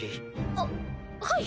あっはい。